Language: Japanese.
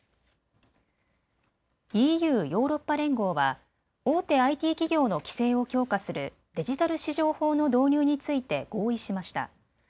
ＥＵ・ヨーロッパ連合は大手ＩＴ企業の規制を強化するデジタル市場法の導入について合意しました。